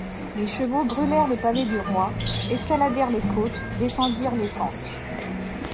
Les chevaux brûlèrent le pavé du Roi, escaladèrent les côtes, descendirent les pentes.